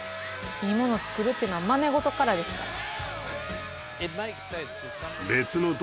いいもの作るってのはまね事からですから。